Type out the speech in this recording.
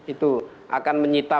itu akan menyita